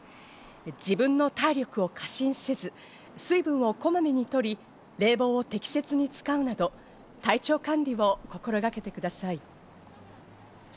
自分の体力を過信せず、水分をこまめに取り、冷房を適切に使うなど体調管理を心がけてください。